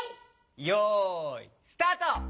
よいスタート！